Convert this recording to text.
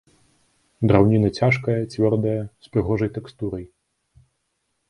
Драўніна цяжкая, цвёрдая, з прыгожай тэкстурай.